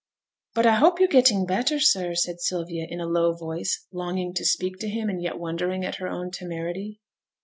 'But I hope you're getting better, sir,' said Sylvia, in a low voice, longing to speak to him, and yet wondering at her own temerity.